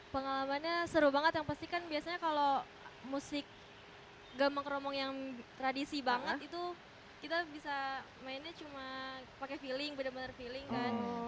pengalamannya seru banget yang pasti kan biasanya kalau musik gambang keromong yang tradisi banget itu kita bisa mainnya cuma pakai feeling benar benar feeling kan